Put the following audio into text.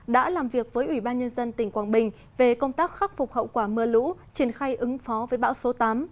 đã làm việc với ủy ban nhân dân tỉnh quảng bình về công tác khắc phục hậu quả mưa lũ triển khai ứng phó với bão số tám